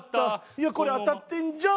「いやこれ当たってんじゃん！」。